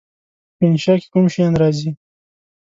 په انشأ کې کوم شیان راځي؟